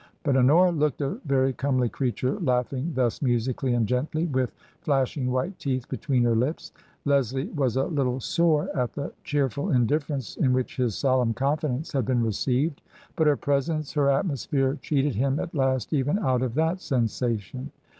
But Honora looked a very comely creature laughing thus musically and gently, with flash ing white teeth between her lips. Leslie was a little sore at the cheerful indifference in which his solemn confidence had been received, but her presence, her atmosphere, cheated him at last even out of that sensation.